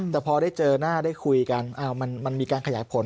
แต่พอได้เจอหน้าได้คุยกันมันมีการขยายผล